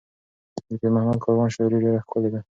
د پیر محمد کاروان شاعري ډېره ښکلې ده.